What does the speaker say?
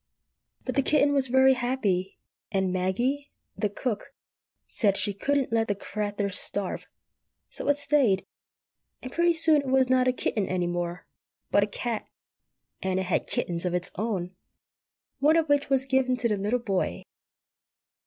But the kitten was very happy, and Maggie, the cook, said she "couldn't let the crathur starve," so it stayed; and pretty soon it was not a kitten any more, but a cat, and it had kittens of its own, one of which was given to the little boy.